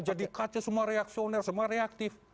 jadi kaca semua reaksioner semua reaktif